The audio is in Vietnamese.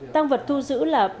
tăng vật thu giữ là bốn